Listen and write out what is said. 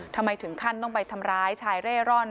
ทำไมถึงขั้นต้องไปทำร้ายชายเร่ร่อน